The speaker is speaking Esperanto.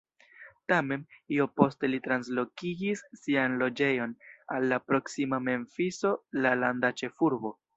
Tamen, io poste li translokigis sian loĝejon al la proksima Memfiso, la landa ĉefurbo.